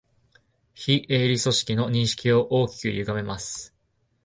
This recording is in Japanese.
非営利組織の認識を大きくゆがめます